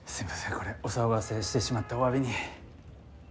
これお騒がせしてしまったおわびに。